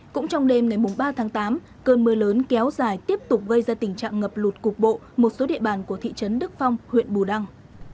cũng trong đêm ngày ba tháng tám cơn mưa lớn kéo dài tiếp tục gây ra tình trạng ngập lụt cục bộ một số địa bàn của thị trấn đức phong huyện bù đăng